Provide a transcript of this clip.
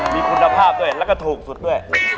มีคุณภาพด้วยแล้วก็ถูกสุดด้วย